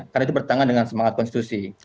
karena itu bertangan dengan semangat konstitusi